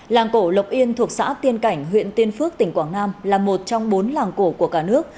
làng cổ lộc yên thuộc xã tiên cảnh huyện tiên phước tỉnh quảng nam là một trong bốn làng cổ của cả nước